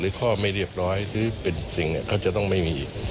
หรือข้อไม่เรียบร้อยที่เป็นสิ่งนี้เขาจะต้องไม่มีอีก